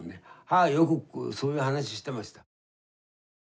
母はよくそういう話してました。